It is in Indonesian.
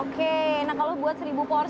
oke nah kalau buat seribu porsi